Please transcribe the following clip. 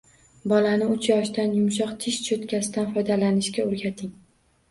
Bolani uch yoshidan yumshoq tish cho‘tkasidan foydalanishga o‘rgating.